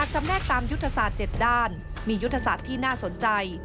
จำแนกตามยุทธศาสตร์๗ด้านมียุทธศาสตร์ที่น่าสนใจ